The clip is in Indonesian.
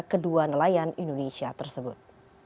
kedua nelayan indonesia tersebut